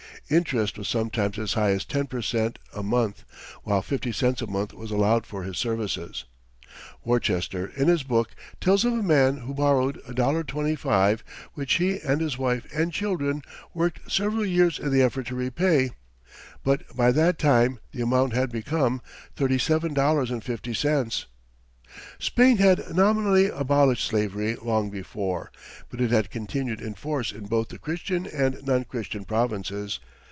Interest was sometimes as high as ten per cent a month, while fifty cents a month was allowed for his services. Worcester in his book tells of a man who borrowed $1.25, which he and his wife and children worked several years in the effort to repay; but by that time the amount had become $37.50! Spain had nominally abolished slavery long before, but it had continued in force in both the Christian and non Christian provinces.